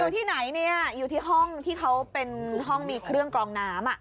อยู่ที่ไหนเนี่ยอยู่ที่ห้องที่เขาเป็นห้องมีเครื่องกรองน้ำ